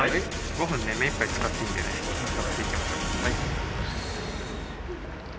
５分目いっぱい使っていいんでね使っていきましょう。